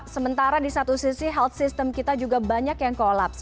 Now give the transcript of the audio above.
sementara di satu sisi health system kita juga banyak yang kolapse